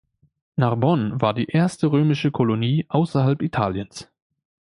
Narbonne war die erste römische Kolonie außerhalb Italiens.